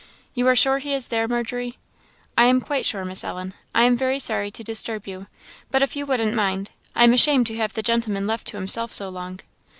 "You are sure he is there, Margery?" "I am quite sure, Miss Ellen. I am very sorry to disturb you; but if you wouldn't mind I am ashamed to have the gentleman left to himself so long."